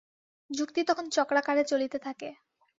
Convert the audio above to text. যুক্তি তখন চক্রাকারে চলিতে থাকে।